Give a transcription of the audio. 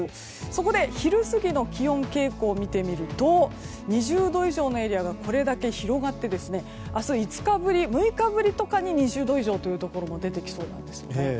そこで、昼過ぎの気温傾向を見てみると２０度以上のエリアがこれだけ広がって明日５日ぶり、６日ぶりとかで２０度以上のところが出てきそうなんです。